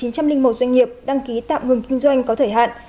trong linh một doanh nghiệp đăng ký tạm ngừng kinh doanh có thời hạn